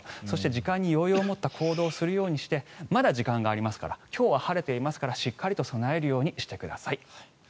そして時間に余裕を持った行動をするようにしてまだ時間がありますから今日は晴れていますからしっかりと備えるようにしてください。